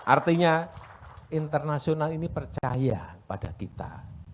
artinya internasional ini percaya pada kita